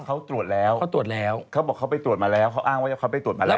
เขาตรวจแล้วเขาตรวจแล้วเขาบอกเขาไปตรวจมาแล้วเขาอ้างว่าเขาไปตรวจมาแล้ว